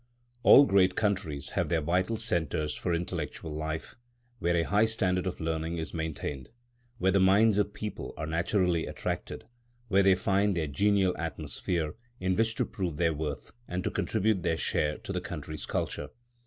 All great countries have their vital centres for intellectual life, where a high standard of learning is maintained, where the minds of the people are naturally attracted, where they find their genial atmosphere, in which to prove their worth and to contribute their share to the country's culture.